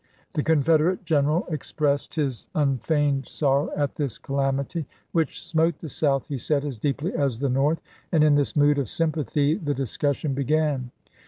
The Confederate general expressed his unfeigned sorrow at this calamity, which smote the South, he said, as deeply as the North, and in this mood of sympathy the discus sion began.